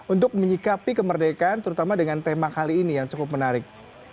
untuk menyikapi kemerdekaan terutama dengan tema kali ini yang cukup menarik